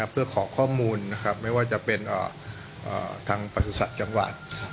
เพื่อขอข้อมูลไม่ว่าจะเป็นทางประสุทธิ์จังหวัด